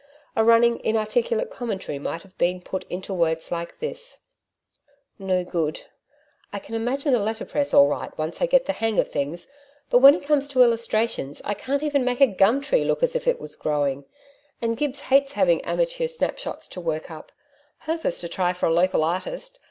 A running inarticulate commentary might have been put into words like this: 'No good ... I can manage the letterpress all right once I get the hang of things. But when it comes to illustrations, I can't make even a gum tree look as if it was growing .... And Gibbs hates having amateur snapshots to work up .... Hopeless to try for a local artist....